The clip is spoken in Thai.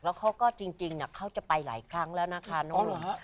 แล้วเขาก็จริงเขาจะไปหลายครั้งแล้วนะคะน้อง